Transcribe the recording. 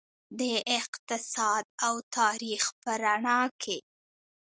د اقتصاد او تاریخ په رڼا کې.